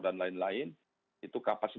dan lain lain itu kapasitas